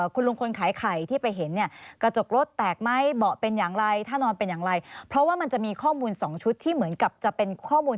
คุณลุงคลขายไข่ที่ไปเห็น